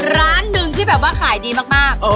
ร้านหนึ่งที่แบบว่าขายดีมาก